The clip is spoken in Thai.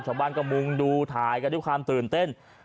ชาวบ้านก็มุ่งดูถ่ายกันด้วยความตื่นเต้น